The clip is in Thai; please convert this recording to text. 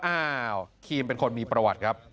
อ้าวครีมเป็นคนมีประวัติครับ